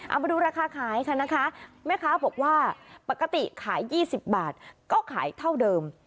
เอามาดูราคาขายค่ะนะคะแม่ค้าบอกว่าปกติขาย๒๐บาทก็ขายเท่าเดิม